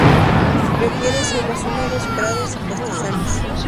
Prefiere suelos húmedos, prados y pastizales.